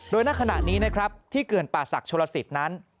โดยณขณะนี้นะครับที่เขื่อนป่าศักดิ์โชลสิทธิ์นั้น